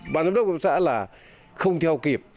các hợp tác xã là không theo kịp